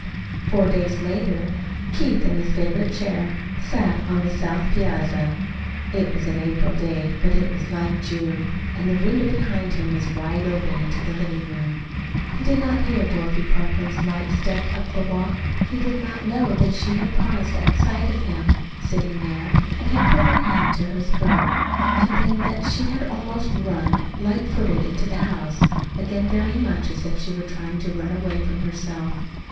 Four days later, Keith, in his favorite chair, sat on the south piazza. It was an April day, but it was like June, and the window behind him was wide open into the living room. He did not hear Dorothy Parkman's light step up the walk. He did not know that she had paused at sight of him sitting there, and had put her hand to her throat, and then that she had almost run, light footed, into the house, again very much as if she were trying to run away from herself.